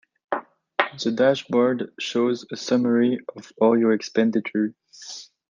The dashboard shows a summary of all your expenditure.